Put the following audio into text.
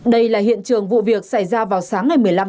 đây là hiện trường vụ việc xảy ra vào sáng ngày một mươi năm tháng năm